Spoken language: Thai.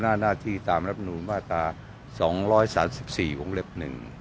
น่าน่าที่ตามรับมนุษย์มาตราสองร้อยสามสิบสี่ของเล็กหนึ่ง